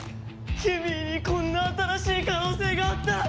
ケミーにこんな新しい可能性があったなんて！